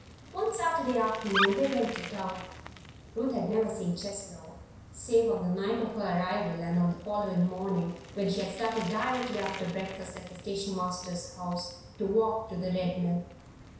One Saturday afternoon they went to town. Ruth had never seen Cheslow save on the night of her arrival and on the following morning, when she had started directly after breakfast at the station master's house to walk to the Red Mill.